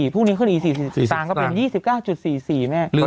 พรุ่งนี้ต่างก็เป็น๒๙๔๔